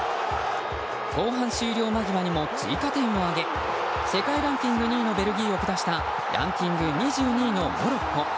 後半終了間際にも追加点を挙げ世界ランキング２位のベルギーを下したランキング２２位のモロッコ。